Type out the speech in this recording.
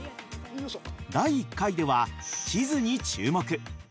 第１回では地図に注目。